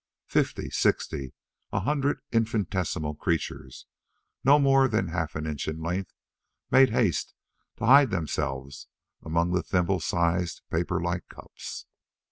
Fifty, sixty, a hundred infinitesimal creatures, no more than half an inch in length, made haste to hide themselves among the thimble sized paperlike cups.